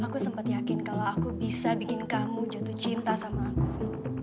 aku sempat yakin kalau aku bisa bikin kamu jatuh cinta sama aku